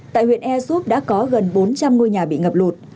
tại huyện air soup đã có gần bốn trăm linh ngôi nhà bị ngập lụt